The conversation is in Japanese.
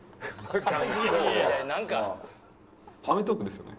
『アメトーーク』ですよね？